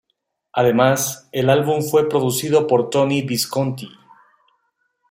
Además el álbum fue producido por Tony Visconti.